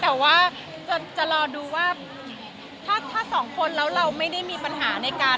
แต่ว่าจะรอดูว่าถ้าสองคนแล้วเราไม่ได้มีปัญหาในการ